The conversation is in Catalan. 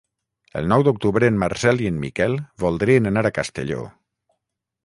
El nou d'octubre en Marcel i en Miquel voldrien anar a Castelló.